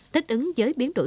thích ứng với biến đổi